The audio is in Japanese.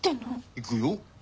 行くよ。